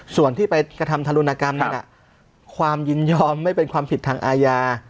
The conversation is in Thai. ส่วนที่ไปกระทำทารุณกรรมนั้นความยินยอมไม่เป็นความผิดทางอาญา